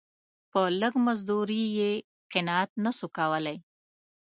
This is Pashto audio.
په لږ مزدوري یې قناعت نه سو کولای.